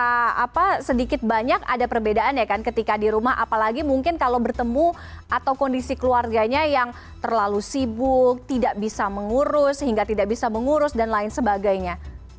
karena sedikit banyak ada perbedaan ketika di rumah apalagi mungkin kalau bertemu atau kondisi keluarganya yang terlalu sibuk tidak bisa mengurus sehingga tidak bisa mengurus dan lain sebagainya